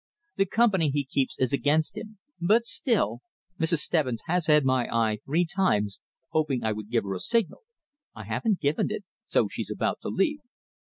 The company he keeps is against him; but still Mrs. Stebbins has had my eye three times, hoping I would give her a signal, I haven't given it, so she's about to leave."